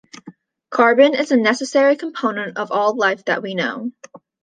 Carbon is a necessary component of all life that we know.